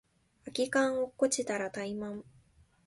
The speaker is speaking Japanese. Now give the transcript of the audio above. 空き缶落っこちたらタイマン